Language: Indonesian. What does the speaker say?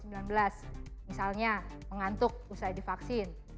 misalnya mengantuk usai divaksin